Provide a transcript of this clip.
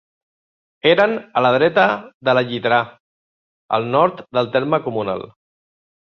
Eren a la dreta de la Lliterà, al nord del terme comunal.